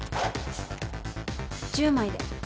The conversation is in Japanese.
１０枚で。